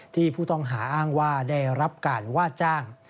ที่ผู้ต้องหาอ้างว่าได้รับการว่าจ้าง